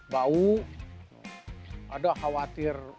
bau ada khawatir